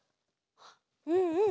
うんうん。